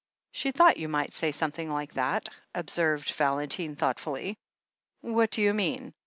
"She thought you might say something like that," observed Valentine thoughtfully. "What do you mean